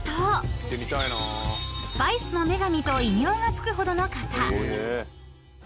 ［スパイスの女神と異名が付くほどの方］